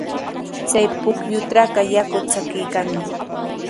Chay pukyutrawqa yaku chakiykanmi.